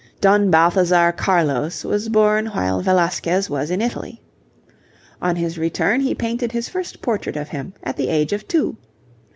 Don Balthazar Carlos was born while Velasquez was in Italy. On his return he painted his first portrait of him at the age of two.